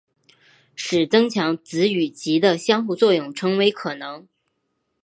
使增强子与及的相互作用成为可能。